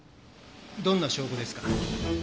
・どんな証拠ですか？